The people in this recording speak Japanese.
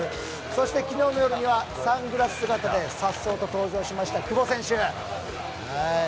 そして、昨日の夜にはサングラス姿で颯爽と登場しました久保選手。